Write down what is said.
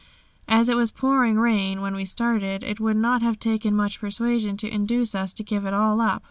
As it was pouring rain when we started, it would not have taken much persuasion to induce us to give it all up.